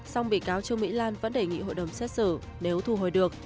song bị cáo trương mỹ lan vẫn đề nghị hội đồng xét xử nếu thu hồi được